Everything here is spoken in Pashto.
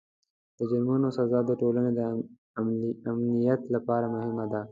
د جرمونو سزا د ټولنې د امنیت لپاره مهمه ده.